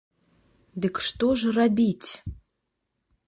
Дык што ж рабіць?